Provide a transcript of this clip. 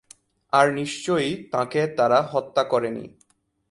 আর নিশ্চয়ই তাঁকে তারা হত্যা করেনি।